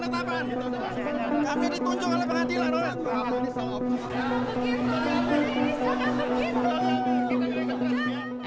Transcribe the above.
ini menetapkan kami ditunjuk oleh pengadilan